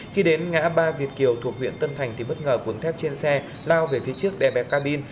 khi đến ngã ba việt kiều thuộc huyện tân thành thì bất ngờ cuồng thép trên xe lao về phía trước đè bèp ca bin